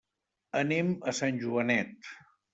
Anem a Sant Joanet.